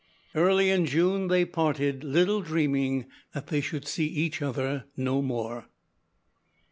Early in June they parted, little dreaming that they should see each other no more.